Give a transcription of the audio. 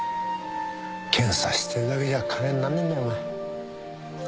検査してるだけじゃ金になんねえんだ。